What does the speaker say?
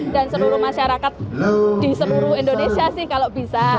dan seluruh masyarakat di seluruh indonesia sih kalau bisa